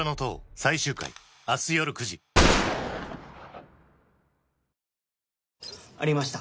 えっ？ありました。